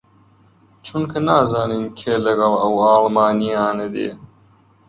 چونکە نازانین کێ لەگەڵ ئەو ئاڵمانییانە دێ